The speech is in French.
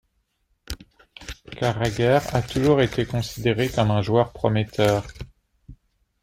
Carragher a toujours été considéré comme un joueur prometteur.